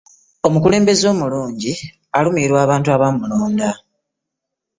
omukulembeze omulungi alumilirwa abantu abamulonda